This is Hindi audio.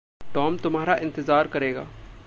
टॉम तुम्हारा इंतजार करेगा।